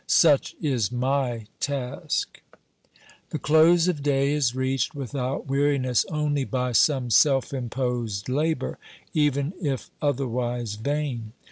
Such is my task ! The close of day is reached without weariness only by some self imposed labour, even if otherwise vain.